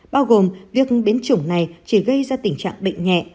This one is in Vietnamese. bao gồm việc biến chủng này chỉ gây ra tình trạng bệnh nhẹ